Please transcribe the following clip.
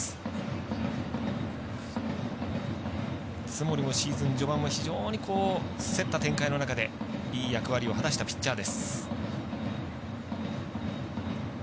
津森もシーズン序盤は、非常に競った展開の中でいい役割を果たしたピッチャー。